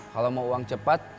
kalau mau uang cepat